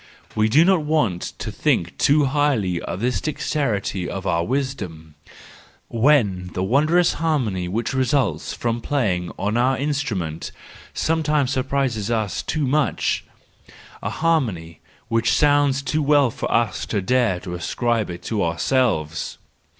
We do not want either to think too highly of this dexterity of our wisdom, when the wonderful harmony which results from play¬ ing on our instrument sometimes surprises us too much: a harmony which sounds too well for SANCTUS JANUARIUS 215 us to dare to ascribe it to ourselves.